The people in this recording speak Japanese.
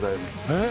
えっ？